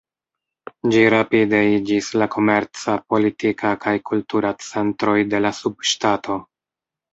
Ĝi rapide iĝis la komerca, politika, kaj kultura centroj de la subŝtato.